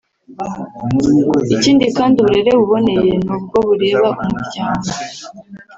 ikindi kandi uburere buboneye nubwo bureba umuryango